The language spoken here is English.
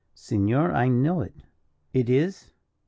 "Senor, I know it." "It is?"